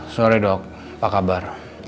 sore dok apa kabar